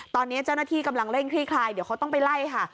ตอนนี้เจ้าหน้าที่กำลังเร่งคลี่คลายเดี๋ยวเขาต้องไปไล่ค่ะ